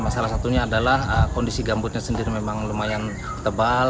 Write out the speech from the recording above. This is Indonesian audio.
salah satunya adalah kondisi gambutnya sendiri memang lumayan tebal